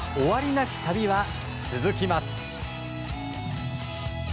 なき旅は続きます。